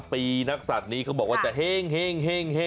๓ปีนักสัตว์นี้เค้าบอกว่าจะแห้ง